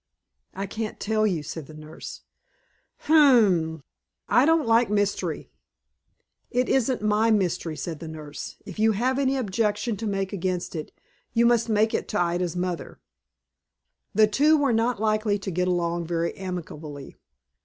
"I can't tell you," said the nurse. "Humph, I don't like mystery." "It isn't my mystery," said the nurse. "If you have any objection to make against it, you must make it to Ida's mother." The two were not likely to get along very amicably.